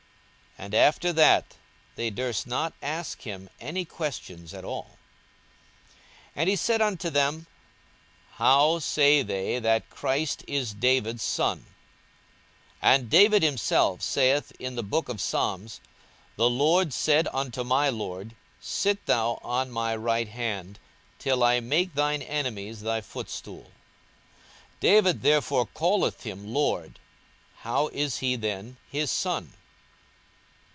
42:020:040 And after that they durst not ask him any question at all. 42:020:041 And he said unto them, How say they that Christ is David's son? 42:020:042 And David himself saith in the book of Psalms, The LORD said unto my Lord, Sit thou on my right hand, 42:020:043 Till I make thine enemies thy footstool. 42:020:044 David therefore calleth him Lord, how is he then his son?